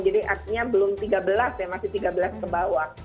jadi artinya belum tiga belas ya masih tiga belas ke bawah